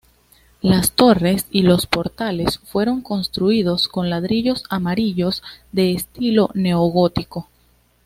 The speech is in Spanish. Las torres y los portales fueron construidos con ladrillos amarillos de estilo neogótico.